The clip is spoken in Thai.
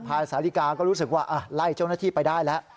สาธิกาก็รู้สึกว่าไล่เจ้าหน้าที่ไปได้แล้ว